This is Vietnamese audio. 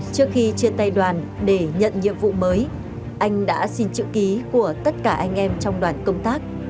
trước khi chia tay đoàn để nhận nhiệm vụ mới anh đã xin chữ ký của tất cả anh em trong đoàn công tác